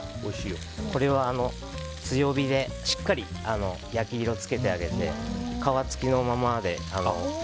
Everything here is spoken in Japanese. これは強火でしっかり焼き色つけてあげて皮付きのままで。